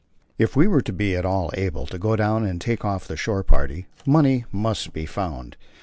If we were to be at all able to go down and take off the shore party money must be found.